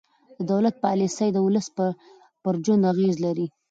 د دولت پالیسۍ د ولس پر ژوند اغېز لري